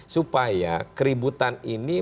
supaya keributan ini